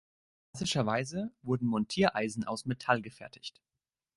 Klassischerweise wurden Montiereisen aus Metall gefertigt.